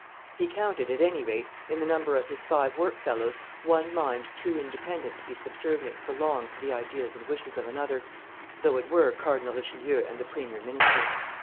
He counted, at any rate, in the number of his five work fellows one mind too independent to be subservient for long to the ideas and wishes of another, though it were Cardinal Richelieu and the premier minister.